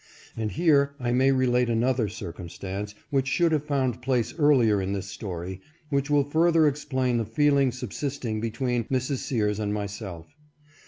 And here I may relate another circumstance which should have found place earlier in this story, which will further explain the feeling subsist ing between Mrs. Sears and myself.